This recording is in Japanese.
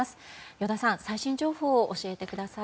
依田さん、最新情報を教えてください。